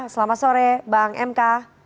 selamat sore bang mk